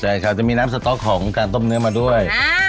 ใช่ครับจะมีน้ำสต๊อกของการต้มเนื้อมาด้วย